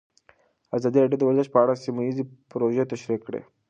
ازادي راډیو د ورزش په اړه سیمه ییزې پروژې تشریح کړې.